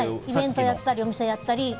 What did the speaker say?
イベントやったりお店をやったり。